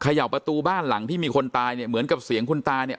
เขย่าประตูบ้านหลังที่มีคนตายเนี่ยเหมือนกับเสียงคุณตาเนี่ย